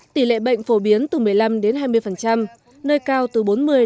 tỷ lệ bệnh phổ biến từ một mươi năm hai mươi nơi cao từ bốn mươi năm mươi